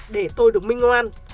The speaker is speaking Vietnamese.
để tôi được minh oan